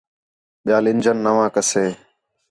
ٻِیال انجن نَوا کَسے